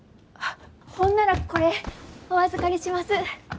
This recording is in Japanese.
あっほんならこれお預かりします。